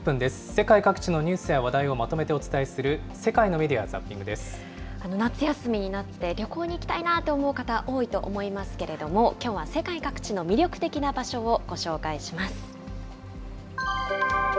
世界各地のニュースや話題をまとめてお伝えする世界のメディア・夏休みになって旅行に行きたいなと思う方、多いと思いますけれども、きょうは世界各地の魅力的な場所をご紹介します。